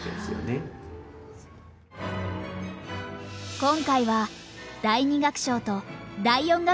今回は第２楽章と第４楽章をお届けします。